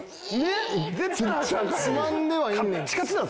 つまんではいるねん。